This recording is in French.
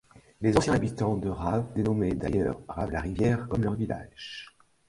Les anciens habitants de Raves dénommait d'ailleurs Rave la rivière comme leur village.